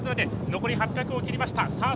残り８００を切りました。